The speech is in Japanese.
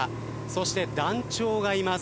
そして団長がいます。